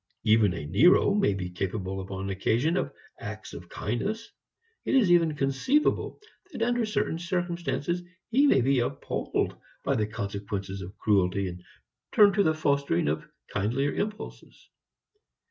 Even a Nero may be capable upon occasion of acts of kindness. It is even conceivable that under certain circumstances he may be appalled by the consequences of cruelty, and turn to the fostering of kindlier impulses.